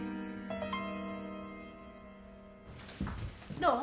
どう？